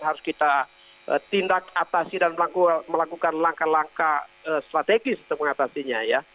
harus kita tindak atasi dan melakukan langkah langkah strategis untuk mengatasinya ya